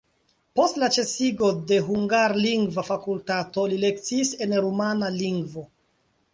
Post la ĉesigo de hungarlingva fakultato li lekciis en rumana lingvo.